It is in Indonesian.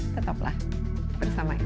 tetaplah bersama insight